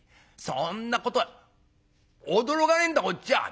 そんなことは驚かねえんだこっちは。